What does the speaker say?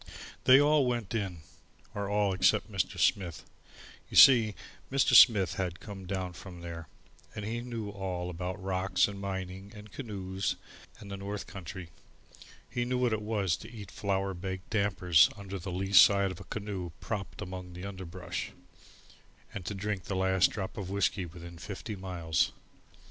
They all went in or all except Mr. Smith. You see, Mr. Smith had come down from there, and he knew all about rocks and mining and canoes and the north country. He knew what it was to eat flour baked dampers under the lee side of a canoe propped among the underbrush, and to drink the last drop of whiskey within fifty miles.